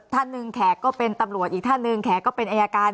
ท่านหนึ่งแขกก็เป็นตำรวจอีกท่านหนึ่งแขกก็เป็นอายการ